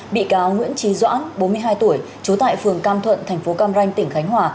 bị cáo nguyễn trí doãn bốn mươi hai tuổi trú tại phường cam thuận thành phố cam ranh tỉnh khánh hòa